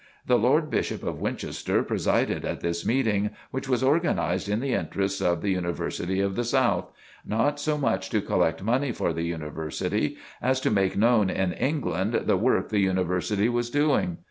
The Lord Bishop of Winchester presided at this meeting, which was organized in the interests of The University of the South not so much to collect money for the University as to make known in England the work the University was doing.